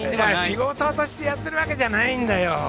仕事としてやってるわけじゃないんだよ